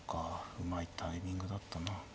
うまいタイミングだったな。